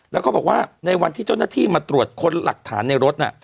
แล้วก็บอกว่าในวันที่เจ้าหน้าที่มาตรวจค้นหลักฐานในรถน่ะ